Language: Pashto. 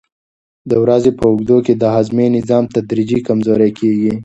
د ورځې په اوږدو کې د هاضمې نظام تدریجي کمزوری کېږي.